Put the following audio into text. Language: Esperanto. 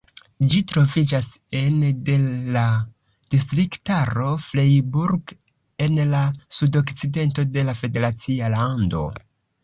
Ĝi troviĝas ene de la distriktaro Freiburg, en la sudokcidento de la federacia lando.